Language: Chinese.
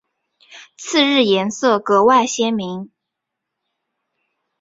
次日颜色格外鲜明。